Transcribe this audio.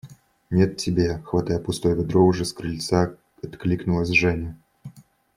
– Нет, тебе! – хватая пустое ведро, уже с крыльца откликнулась Женя.